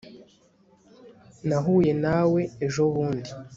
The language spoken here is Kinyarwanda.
nahuye nawe ejobundi